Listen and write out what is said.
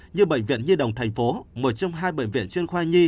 như bệnh viện nhi đồng thành phố một trong hai bệnh viện chuyên khoa nhi